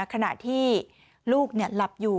คณะที่ลูกลำภูมิอยู่